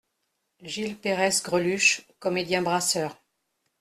Gil-Pérès GRELUCHE, comédien Brasseur.